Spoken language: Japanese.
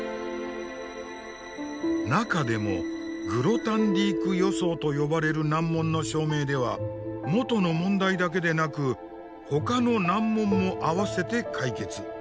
中でも「グロタンディーク予想」と呼ばれる難問の証明では元の問題だけでなくほかの難問も合わせて解決。